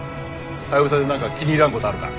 ハヤブサでなんか気に入らん事あるか？